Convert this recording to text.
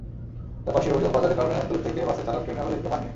এলাকাবাসীর অভিযোগ, বাজারের কারণে দূর থেকে বাসের চালক ট্রেনের আলো দেখতে পাননি।